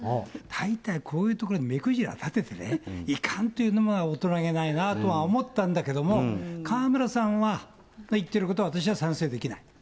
大体こういうところに目くじら立ててね、いかんっていうのも大人げないなとは思ったんだけども、河村さんは言ってることは、私は賛成できない。